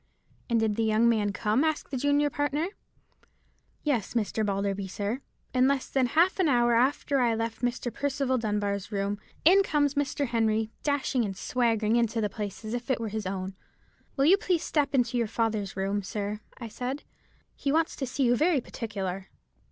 '" "And did the young man come?" asked the junior partner. "Yes, Mr. Balderby, sir; in less than half an hour after I left Mr. Percival Dunbar's room, in comes Mr. Henry, dashing and swaggering into the place as if it was his own. "'Will you please step into your father's room, sir?' I said; 'he wants to see you very particular.'